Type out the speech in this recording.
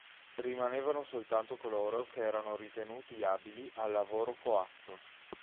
Rimanevano soltanto coloro che erano ritenuti abili al lavoro coatto.